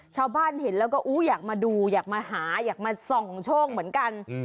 ชาวบ้านเห็นแล้วก็อู้อยากมาดูอยากมาหาอยากมาส่องโชคเหมือนกัน